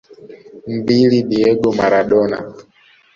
Mbili Diego Maradona